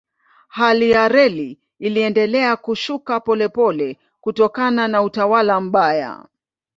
Hali ya reli iliendelea kushuka polepole kutokana na utawala mbaya.